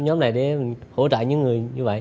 nhóm này để hỗ trợ những người như vậy